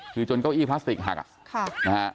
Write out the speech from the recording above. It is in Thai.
คือจนเก้าอี้พลาสติกหักนะฮะ